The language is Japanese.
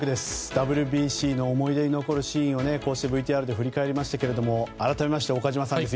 ＷＢＣの思い出に残るシーンをこうしてＶＴＲで振り返りましたが改めまして岡島さんです。